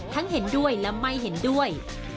เห็นด้วยและไม่เห็นด้วย